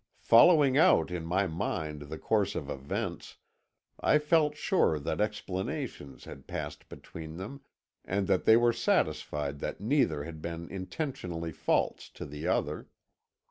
Following out in my mind the course of events, I felt sure that explanations had passed between them, and that they were satisfied that neither had been intentionally false to the other.